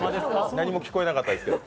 何も聞こえなかったですけど。